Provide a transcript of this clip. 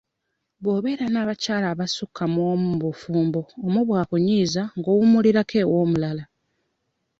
Bw'obeera n'abakyala abassuka mu omu mu bufumbo omu bw'akunyiiza ng'owummulira ew'omulala.